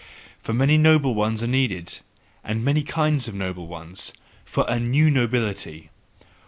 For many noble ones are needed, and many kinds of noble ones, FOR A NEW NOBILITY!